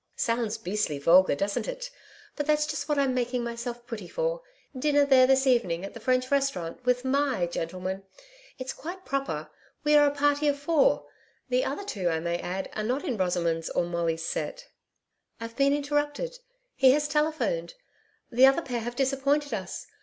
Sounds beastly vulgar, doesn't it? But that's just what I'm making myself pretty for dinner there this evening at the French Restaurant with MY gentleman. It's quite proper: we are a party of four the other two I may add are not in Rosamond's or Molly's set. I've been interrupted He has telephoned. The other pair have disappointed us.